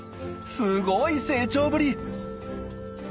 すごい成長ぶり！